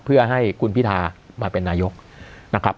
เพื่อให้คุณพิธามาเป็นนายกนะครับ